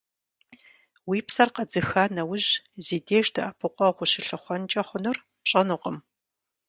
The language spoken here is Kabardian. Уи псэр къэдзыха нэужь, зи деж дэӀэпыкъуэгъу ущылъыхъуэнкӀэ хъунур пщӀэнукъым.